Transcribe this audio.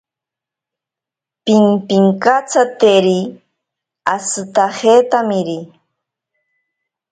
Pimpinkatsateri ashitajetamiri.